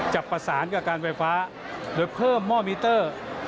จะประสานกับการไฟฟ้าโดยเพิ่มหม้อมิเตอร์